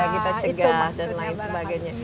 kita cegah dan lain sebagainya